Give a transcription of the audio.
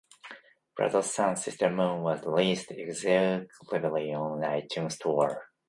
"Brother Sun, Sister Moon" was released exclusively on iTunes Store.